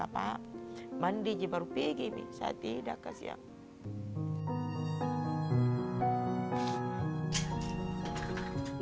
pak mandi jempol pergi saya tidak kasih